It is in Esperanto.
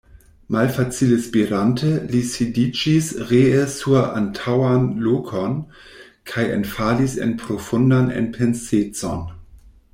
Malfacile spirante, li sidiĝis ree sur antaŭan lokon kaj enfalis en profundan enpensecon.